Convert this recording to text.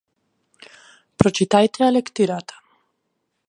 Прочитајте ја лектирата.